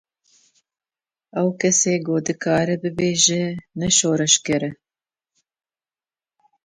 Ew kesê ku dikare bibêje na şoreşger e.